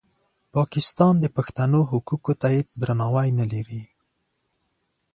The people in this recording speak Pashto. پاکستان د پښتنو حقوقو ته هېڅ درناوی نه لري.